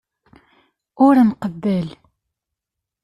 Ur nqebbel.